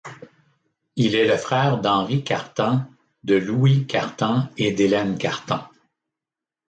Il est le frère d'Henri Cartan, de Louis Cartan et d'Hélène Cartan.